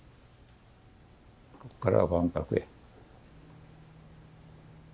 ここから万博へ。